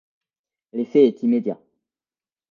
L’effet est immédiat.